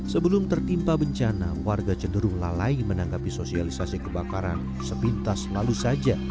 sebelum tertimpa bencana warga cenderung lalai menanggapi sosialisasi kebakaran sepintas lalu saja